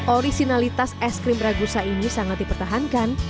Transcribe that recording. originalitas es krim ragusa ini sangat dipertahankan